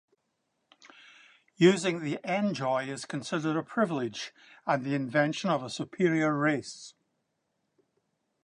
Using the Endjoy is considered a privilege and the invention of a superior race.